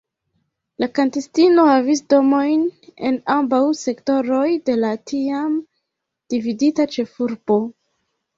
La kantistino havis domojn en ambaŭ sektoroj de la tiam dividita ĉefurbo.